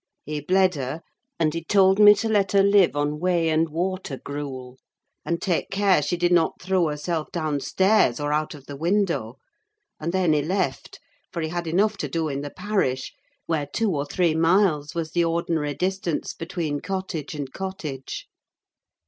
He bled her, and he told me to let her live on whey and water gruel, and take care she did not throw herself downstairs or out of the window; and then he left: for he had enough to do in the parish, where two or three miles was the ordinary distance between cottage and cottage.